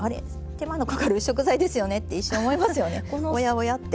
手間のかかる食材ですよねって一瞬思いますよねおやおやって。